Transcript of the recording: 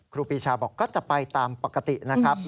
ครูปีชาบอกก็จะไปตามปกตินะครับ